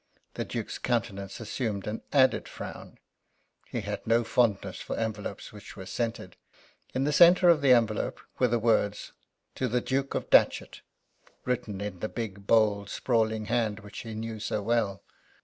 The Duke's countenance assumed an added frown he had no fondness for envelopes which were scented. In the centre of the envelope were the words "To the Duke of Datchet," written in the big, bold, sprawling hand which he knew so well.